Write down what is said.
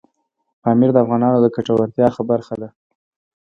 پامیر د افغانانو د ګټورتیا برخه ده.